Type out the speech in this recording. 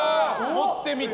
持ってみて。